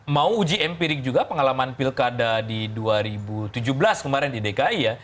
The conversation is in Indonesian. mau uji empirik juga pengalaman pilkada di dua ribu tujuh belas kemarin di dki ya